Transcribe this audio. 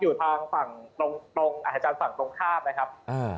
อยู่ทางฝั่งตรงตรงอัศจรรย์ฝั่งตรงข้ามนะครับ